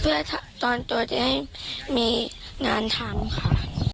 เพื่อตอนตัวจะให้มีงานทำค่ะ